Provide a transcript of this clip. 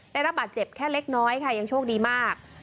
ได้รับบาดเจ็บแค่เล็กน้อยค่ะยังโชคดีมาก